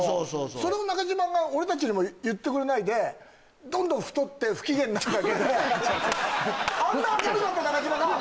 それを中島が俺たちにも言ってくれないでどんどん太って不機嫌になって。